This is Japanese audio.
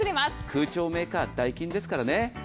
空調メーカーダイキンですからね。